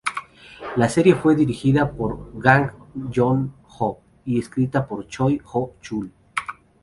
La serie fue dirigida por Jang Joon-ho y escrita por Choi Ho-chul.